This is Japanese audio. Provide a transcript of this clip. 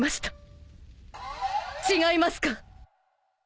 違いますか？